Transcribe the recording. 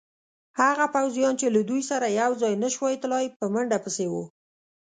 هغه پوځیان چې له دوی سره یوځای نه شوای تلای، په منډه پسې وو.